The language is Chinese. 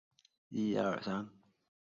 他的父亲瞽叟是个盲人。